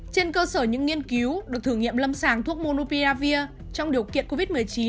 trên cơ sở những nghiên cứu được thử nghiệm lâm sàng thuốc monupiravir trong điều kiện covid một mươi chín